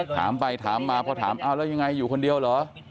ถามไปถามมาพอถามอ้าวแล้วยังไงอยู่คนเดียวเหรอ